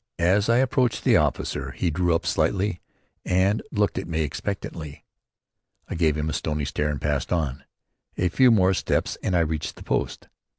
As I approached the officer he drew up slightly and looked at me expectantly. I gave him a stony stare, and passed on. A few more steps and I reached the post.